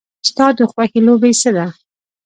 ستا د خوښې لوبې څه دي؟